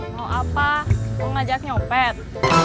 mau ngajak nyopet